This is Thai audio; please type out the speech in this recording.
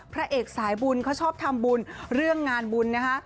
พระเอกสายบุญเขาชอบทำบุญเรื่องงานบุญนะคะ